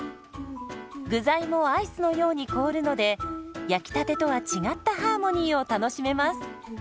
具材もアイスのように凍るので焼きたてとは違ったハーモニーを楽しめます。